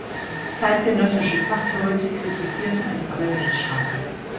Zeitgenössische Fachleute kritisierten es allerdings scharf.